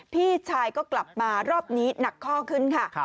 พี่ชายก็กลับมารอบนี้หนักข้อขึ้นค่ะ